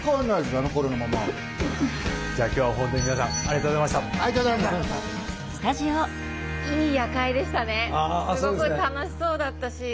すごく楽しそうだったし。